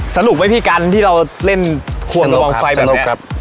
สนุกไหมพี่การที่เราเล่นควงกระบองไฟแบบนี้สนุกครับสนุกครับ